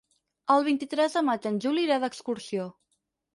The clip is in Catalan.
El vint-i-tres de maig en Juli irà d'excursió.